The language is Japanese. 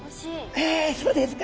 えそうですか！